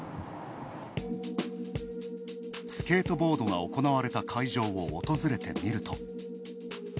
スケートボードが行われた会場を訪れてみると。